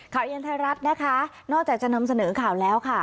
เย็นไทยรัฐนะคะนอกจากจะนำเสนอข่าวแล้วค่ะ